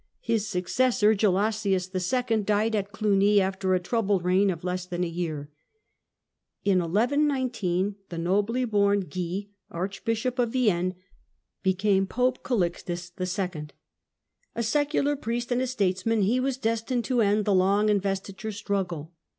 His successor, Gelasius II., died at Cluny after a troubled reign of less than a year. In 1119 the nobly born Guy, Archbishop of Vienne, became Pope Calixtus II. A secular priest and a statesman, he was destined to end the long investiture struggle.